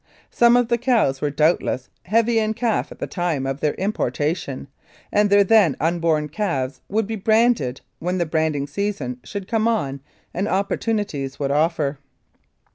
Some of the cows were doubtless heavy in calf at the time of their importation, and their then unborn calves would be branded when the brand ing season should come on and opportunities would offer.